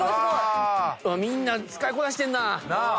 みんな使いこなしてんな。